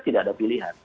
tidak ada pilihan